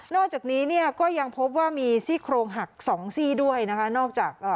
อกจากนี้เนี่ยก็ยังพบว่ามีซี่โครงหักสองซี่ด้วยนะคะนอกจากเอ่อ